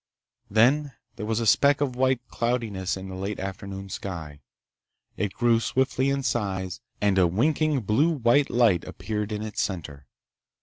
Then there was a speck of white cloudiness in the late afternoon sky. It grew swiftly in size, and a winking blue white light appeared in its center.